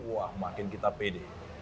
wah makin kita pede